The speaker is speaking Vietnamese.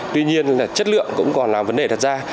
tuy nhiên là chất lượng cũng còn là vấn đề đặt ra